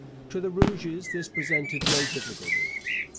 To the Rouges this presented no difficulty.